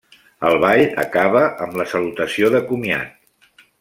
El ball acaba amb la salutació de comiat.